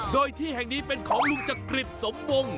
โดยที่แห่งนี้เป็นของลูกจกกริสมงค์